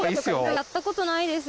やったことないです